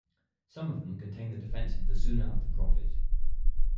Some of them contain the defense of the Sunnah of the Prophet.